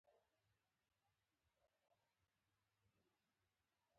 له ما سره اړیکه ونیسه